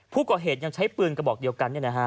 ผู้ก่อเหตุยังใช้ปืนกระบอกเดียวกัน